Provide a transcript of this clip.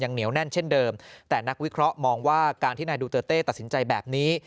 เหนียวแน่นเช่นเดิมแต่นักวิเคราะห์มองว่าการที่นายดูเตอร์เต้ตัดสินใจแบบนี้